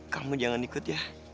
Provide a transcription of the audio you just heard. kamu jangan ikut ya